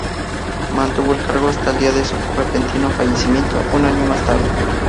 Mantuvo el cargo hasta el día de su repentino fallecimiento, un año más tarde.